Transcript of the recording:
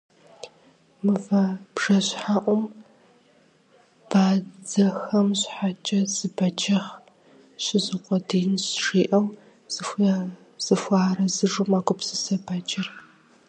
«Мывэ бжэщхьэӀум бадзэхэм щхьэкӀэ зы бэджыхъ щызукъуэдиинщ, - жиӀэу зыхуэарэзыжу мэгупсысэ бэджыр.